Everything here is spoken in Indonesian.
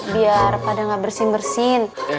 biar pada nggak bersin bersin